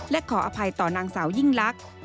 และขออภัยต่อนางสาวยิ่งลักษณ์